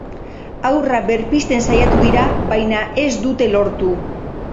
Haurra berpizten saiatu dira, baina ez dute lortu.